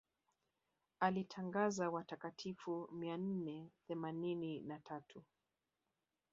alitangaza watakatifu mia nne themanini na tatu